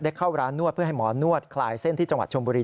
เข้าร้านนวดเพื่อให้หมอนวดคลายเส้นที่จังหวัดชมบุรี